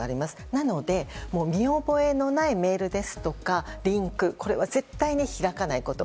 なので、見覚えのないメールですとかリンクこれは絶対に開かないこと。